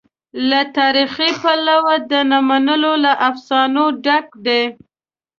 له تاریخي پلوه د نه منلو له افسانو ډک دی.